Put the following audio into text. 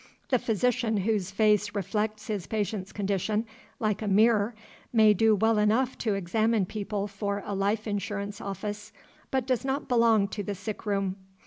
The physician whose face reflects his patient's condition like a mirror may do well enough to examine people for a life insurance office, but does not belong to the sickroom.